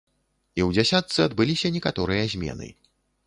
І ў дзясятцы адбыліся некаторыя змены.